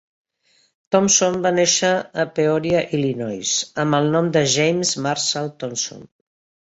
Thompson va néixer a Peoria, Illinois, amb el nom de James Marshall Thompson.